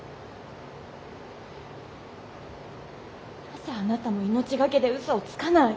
「なぜあなたも命懸けで嘘をつかない」。